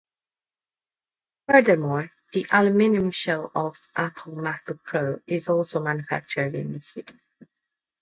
Furthermore, the aluminum shell of Apple Macbook Pro is also manufactured in this city.